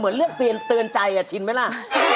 เหมือนเรียกเปลี่ยนเตือนใจอะชินไหมล่ะ